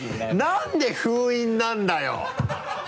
何で封印なんだよ！